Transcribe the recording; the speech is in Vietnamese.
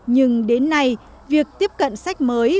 nhưng đến nay việc tiếp cận sách mới